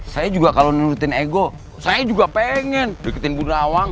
saya juga kalau menurutin ego saya juga pengen berikutin bu nawang